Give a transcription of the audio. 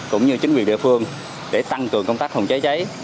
cũng như chính quyền địa phương để tăng cường công tác phòng cháy cháy